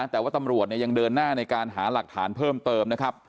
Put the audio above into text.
แต่ว่าตำรวจยังเดินหน้าในการหาหลักฐานเพิ่มเติมนะครับ